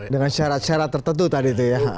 dengan syarat syarat tertentu tadi itu ya